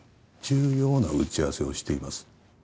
重要な打ち合わせをしています。